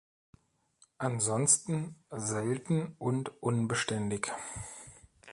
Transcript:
Ansonsten selten und unbeständig.